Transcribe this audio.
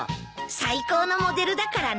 最高のモデルだからね。